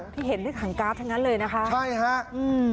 ที่เห็นด้วยถังกราฟทั้งนั้นเลยนะคะใช่ฮะอืม